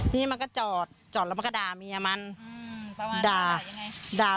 นี่มันก็จอดจอดแล้วมันก็ด่าเมียมันอืมด่ายังไงด่า